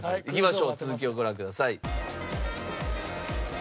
いきましょう続きをご覧ください。